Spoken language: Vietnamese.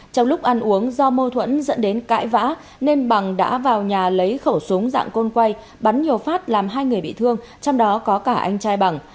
trong lúc ăn uống do mâu thuẫn dẫn đến cãi vã nên bằng đã vào nhà lấy khẩu súng dạng côn quay bắn nhiều phát làm hai người bị thương trong đó có cả anh trai bằng